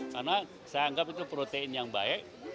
karena saya anggap itu protein yang baik